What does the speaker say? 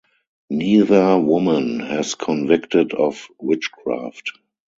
Neither woman was convicted of witchcraft.